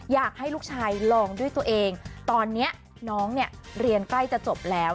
อยากให้ลูกชายลองด้วยตัวเองตอนนี้น้องเนี่ยเรียนใกล้จะจบแล้ว